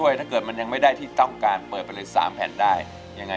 อย่าเสียดายนะ